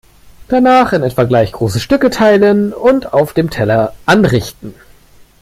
Danach in etwa gleich große Stücke teilen und auf dem Teller anrichten.